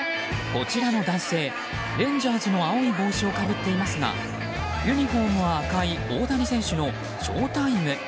こちらの男性、レンジャーズの青い帽子をかぶっていますがユニホームは赤い大谷選手のショータイム。